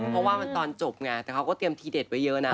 เพราะว่ามันตอนจบไงแต่เขาก็เตรียมทีเด็ดไว้เยอะนะ